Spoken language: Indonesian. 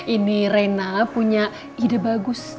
ini reina punya ide bagus